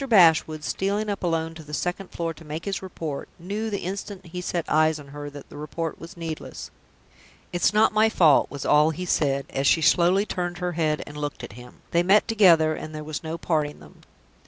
Bashwood, stealing up alone to the second floor to make his report, knew, the instant he set eyes on her, that the report was needless. "It's not my fault," was all he said, as she slowly turned her head and looked at him. "They met together, and there was no parting them."